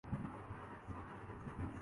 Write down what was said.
ہمت ہے تو ایسا کر کے دکھاؤ